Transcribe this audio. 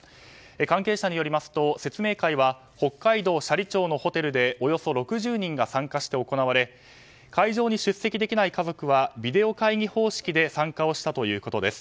関係者によりますと説明会は北海道斜里町のホテルでおよそ６０人が参加して行われ会場に出席できない家族はビデオ会議方式で参加をしたということです。